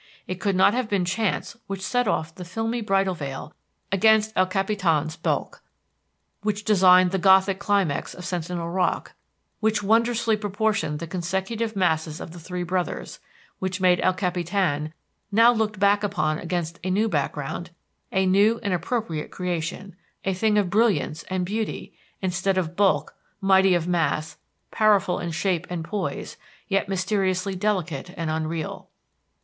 It could not have been chance which set off the filmy Bridal Veil against El Capitan's bulk; which designed the Gothic climax of Sentinel Rock; which wondrously proportioned the consecutive masses of the Three Brothers; which made El Capitan, now looked back upon against a new background, a new and appropriate creation, a thing of brilliance and beauty instead of bulk, mighty of mass, powerful in shape and poise, yet mysteriously delicate and unreal.